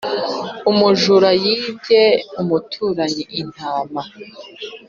umujura yibye umuturanyi intama (